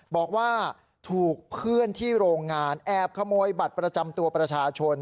บอกว่าถูกเพื่อนที่โรงงานแอบขโมยบัตรประจำตัวประชาชน